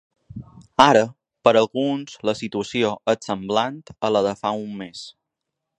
Ara, per alguns la situació és semblant a la de fa un mes.